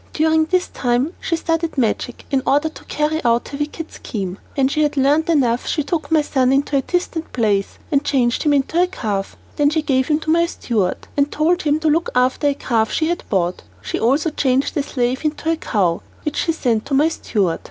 During this time she studied magic in order to carry out her wicked scheme. When she had learnt enough she took my son into a distant place and changed him into a calf. Then she gave him to my steward, and told him to look after a calf she had bought. She also changed the slave into a cow, which she sent to my steward.